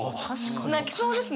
泣きそうですね！